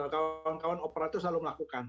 kawan kawan operator selalu melakukan